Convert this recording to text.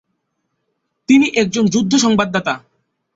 তিনি একজন যুদ্ধ সংবাদদাতা।